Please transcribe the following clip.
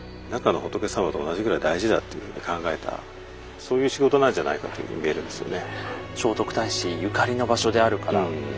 そういう仕事なんじゃないかというように見えるんですよね。